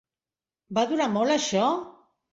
Va durar molt, això?